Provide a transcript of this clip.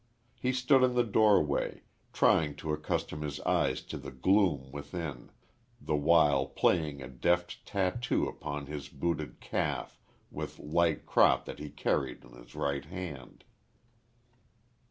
He stood in the doorway, trying to accustom his eyes to the gloom within, the while playing a deft tattoo upon his booted calf with light crop that he carried in his right hand.